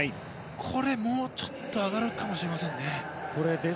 これ、もうちょっと上がるかもしれませんね。